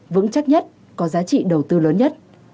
vững chắc nhất có giá trị đầu tư lớn nhất